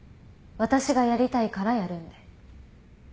私がやりたいからやるんで。